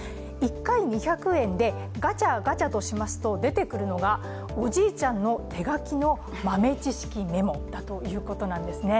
１回２００円でガチャガチャとしますと出てくるのがおじいちゃんの手書きの豆知識メモだということなんですね。